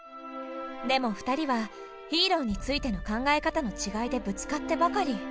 でも２人はヒーローについての考え方の違いでぶつかってばかり。